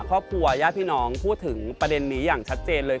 ครอบครัวญาติพี่น้องพูดถึงประเด็นนี้อย่างชัดเจนเลย